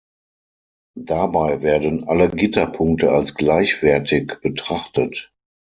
Dabei werden alle Gitterpunkte als gleichwertig betrachtet.